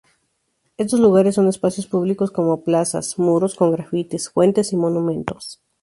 Estos lugares son espacios públicos como: plazas, muros con grafitis, fuentes y monumentos.